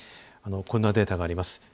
こんなデータがあります。